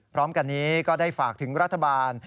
พร้อมกันนี้ก็ได้ฝากถึงรัฐบาล